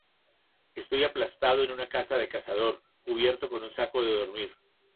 Estoy aplastado en una casa de cazador, cubierto con un saco de dormir.